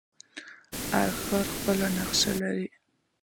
هر ښار خپله نقشه لري.